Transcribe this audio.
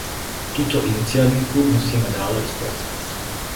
Tuto iniciativu musíme dále rozpracovat.